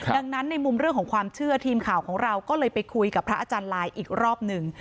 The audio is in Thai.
ดังนั้นในมุมเรื่องของความเชื่อทีมข่าวของเราก็เลยไปคุยกับพระอาจารย์ลายอีกรอบหนึ่ง